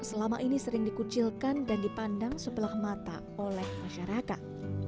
selama ini sering dikucilkan dan dipandang sebelah mata oleh masyarakat